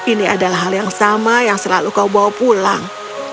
ini adalah hal yang sama yang selalu kau bawa pulang